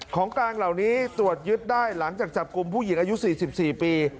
ของกลางเหล่านี้ตรวจยึดได้หลังจากจับกลุ่มผู้หญิงอายุ๔๔ปี